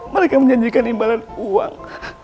mereka menjanjikan imbalan uang